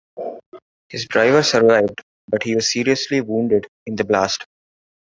His driver survived, but he was seriously wounded in the blast.